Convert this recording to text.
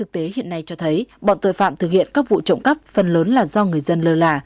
trong các vụ trộm cắp phần lớn là do người dân lơ là